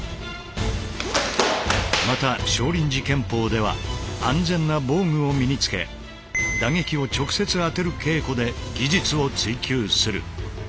また少林寺拳法では安全な防具を身につけ打撃を直接当てる稽古で技術を追求する。